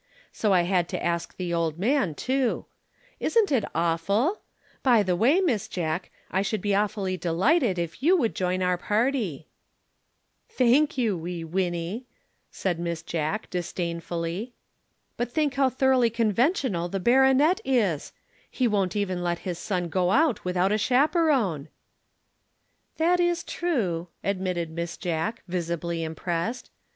So I had to ask the old man, too. Isn't it awful? By the way, Miss Jack, I should be awfully delighted if you would join our party!" [Illustration: "I asked them to have a chop at the club with me."] "Thank you, Wee Winnie," said Miss Jack, disdainfully. "But think how thoroughly conventional the baronet is! He won't even let his son go out without a chaperon." "That is true," admitted Miss Jack, visibly impressed.